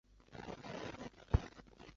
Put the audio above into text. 清代在区内设王赘步。